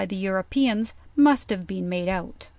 the Europeans, must have been made out.